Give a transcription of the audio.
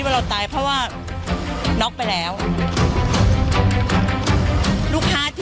ปากกับภาคภูมิ